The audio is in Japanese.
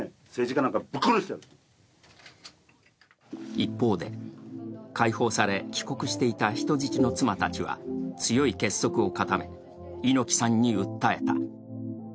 一方で、解放され、帰国していた人質の妻たちは強い結束を固め、猪木さんに訴えた。